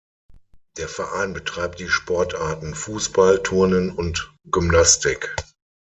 Der Verein betreibt die Sportarten Fußball, Turnen und Gymnastik.